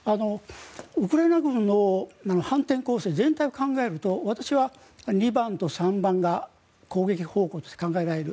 ウクライナ軍の反転攻勢全体を考えると私は２番と３番が攻撃方向として考えられる。